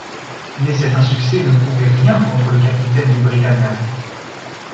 Mais cet insuccès ne prouvait rien contre le capitaine du Britannia.